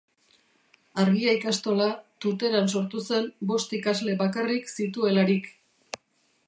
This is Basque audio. Argia ikastola, Tuteran sortu zen bost ikasle bakarrik zituelarik.